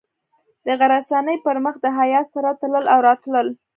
د غرڅنۍ پر مخ د حیا سره تلل او راتلل.